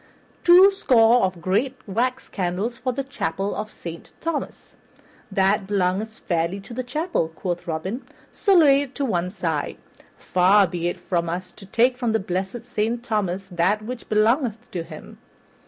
"Twoscore of great wax candles for the Chapel of Saint Thomas." "That belongeth fairly to the chapel," quoth Robin, "so lay it to one side. Far be it from us to take from the blessed Saint Thomas that which belongeth to him."